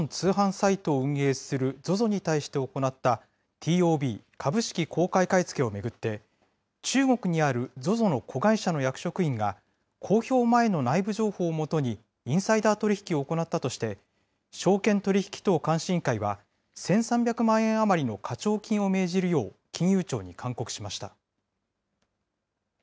ＴＯＢ・株式公開買い付けを巡って、中国にあるＺＯＺＯの子会社の役職員が公表前の内部情報を基にインサイダー取引を行ったとして、証券取引等監視委員会は、１３００万円余りの課徴金を命じるよう金融庁に勧告しました。